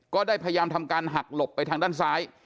ก็ได้พยายามทำการหักหลบไปทางด้านซ้าย